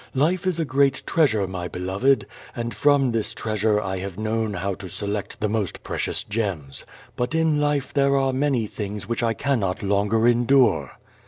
Life is a great treasure, my beloved, and from this treasure I have known how to select the most precious gems. But in life there are many things which I cannot lon ger endure.